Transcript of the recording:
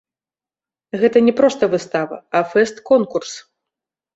Гэта не проста выстава, а фэст-конкурс.